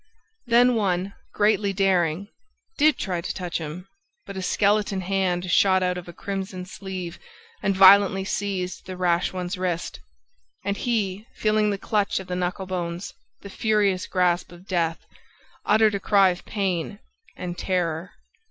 Then one, greatly daring, did try to touch him ... but a skeleton hand shot out of a crimson sleeve and violently seized the rash one's wrist; and he, feeling the clutch of the knucklebones, the furious grasp of Death, uttered a cry of pain and terror.